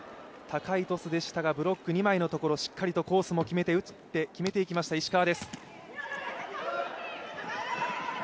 高いトスでしたがブロック二枚のところしっかりとコースも決めて打って決めていきました、石川。